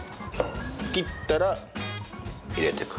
切ったら入れてく。